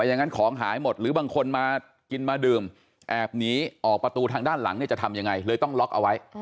อย่างนั้นของหายหมดหรือบางคนมากินมาดื่มแอบหนีออกประตูทางด้านหลังเนี่ยจะทำยังไงเลยต้องล็อกเอาไว้